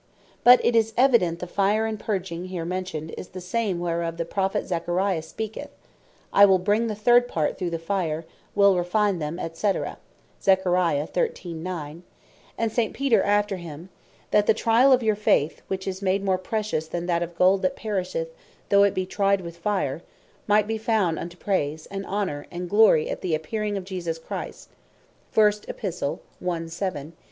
But it is evident the Fire and Purging here mentioned, is the same whereof the Prophet Zachary speaketh (chap. 13. v. 9.) "I will bring the third part through the Fire, and will Refine them, &c." And St. Peter after him (1 Epist. 1. 7.) "That the triall of your Faith, which is much more precious than of Gold that perisheth, though it be tryed with fire, might be found unto praise, and honour, and glory at the Appearing of Jesus Christ;" And St. Paul (1 Cor. 3.